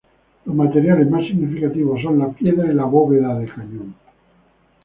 Los materiales más significativos son la piedra y la bóveda de cañón.